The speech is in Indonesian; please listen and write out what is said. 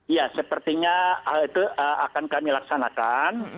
ya sepertinya hal itu akan kami laksanakan